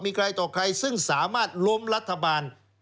มีใครต่อใครซึ่งสามารถล้มรัฐบาล